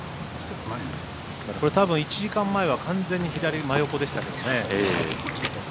これ、たぶん１時間前は完全に左真横でしたけどね。